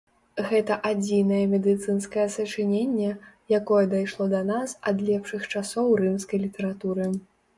Гэта адзінае медыцынскае сачыненне, якое дайшло да нас ад лепшых часоў рымскай літаратуры.